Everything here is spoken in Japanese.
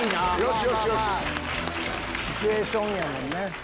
シチュエーションやもんね。